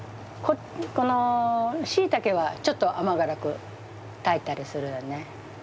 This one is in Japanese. ここのしいたけはちょっと甘辛く炊いたりするよね。